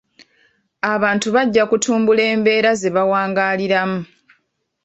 Abantu bajja kutumbula embeera ze bawangaaliramu.